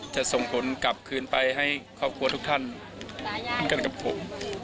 ส่งผลกลับคืนไปให้ครอบครัวทุกท่านเหมือนกันกับผม